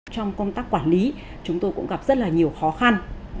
trong công tác quản lý chúng tôi cũng gặp rất là nhiều khó khăn